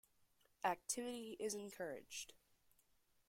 Activity is encouraged.